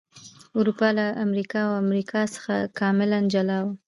اروپا له افریقا او امریکا څخه کاملا جلا و.